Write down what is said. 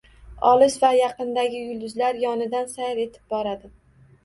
Olis va yaqindagi yulduzlar yonidan sayr etib boradi.